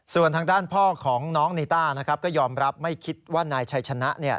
ส่วนทางด้านพ่อของน้องนีต้านะครับก็ยอมรับไม่คิดว่านายชัยชนะ